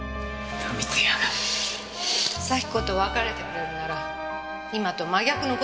咲子と別れてくれるなら今と真逆の事を言ってあげる。